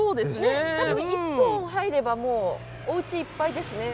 多分一本入ればもうおうちいっぱいですね。